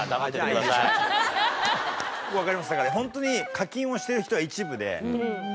だからホントに課金をしてる人は一部で。